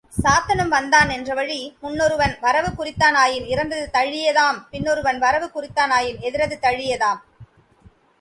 சாத்தனும் வந்தான் என்றவழி, முன்னொருவன் வரவு குறித்தானாயின் இறந்தது தழீயதாம் பின்னொருவன் வரவு குறித்தானாயின் எதிரது தழீஇயதாம்.